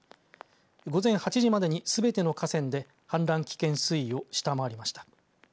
午前８時までにすべての河川で氾濫危険水位を下回りました。